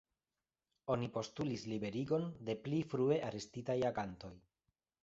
Oni postulis liberigon de pli frue arestitaj agantoj.